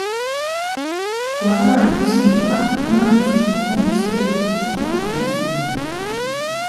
Koadroaren estiloak erromantizismoko misterioa kutsua adierazten du.